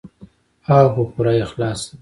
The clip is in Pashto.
او په پوره اخلاص سره.